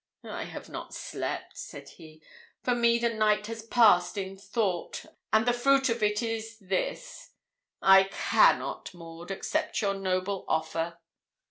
'I have not slept,' said he. 'For me the night has passed in thought, and the fruit of it is this I cannot, Maud, accept your noble offer.'